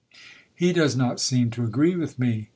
He does not seem to agree with me.